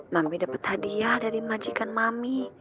mami dapat hadiah dari majikan mami